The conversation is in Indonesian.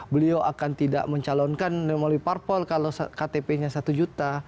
beliau akan tidak mencalonkan nemoli parpol kalau ktp nya satu juta